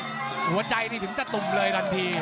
หัวใจนี่ถึงตะตุ่มเลยทันที